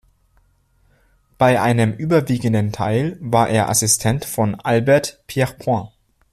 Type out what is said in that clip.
Bei einem überwiegenden Teil war er Assistent von Albert Pierrepoint.